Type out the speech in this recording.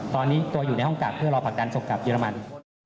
ตอนนี้ตัวอยู่ในห้องกลับเพื่อรอผักกันส่งกับเยอรมนส์